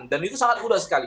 dan itu sangat mudah sekali